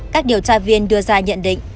các điều tra viên đưa ra nhận định